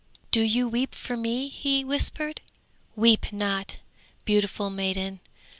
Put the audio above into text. _] 'Do you weep for me?' he whispered. 'Weep not, beautiful maiden.